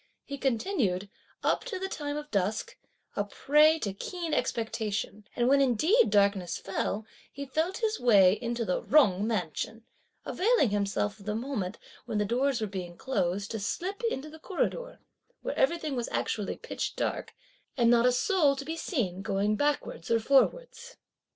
He continued, up to the time of dusk, a prey to keen expectation; and, when indeed darkness fell, he felt his way into the Jung mansion, availing himself of the moment, when the doors were being closed, to slip into the corridor, where everything was actually pitch dark, and not a soul to be seen going backwards or forwards.